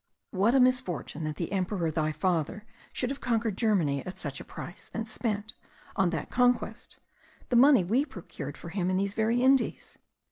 "What a misfortune that the Emperor, thy father, should have conquered Germany at such a price, and spent, on that conquest, the money we procured for him in these very Indies!